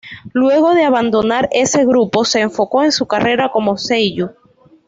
Luego de abandonar ese grupo, se enfocó en su carrera como seiyū.